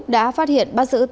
đã phát hiện bắt giữ